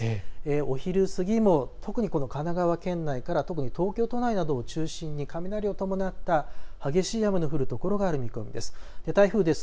お昼過ぎも特にこの神奈川県内から特に東京都内などを中心に雷を伴った激しい雨の降る所がある見込みです。